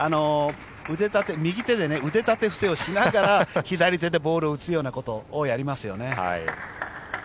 右手で腕立て伏せをしながら左手でボールを打つようなことをやりますよね。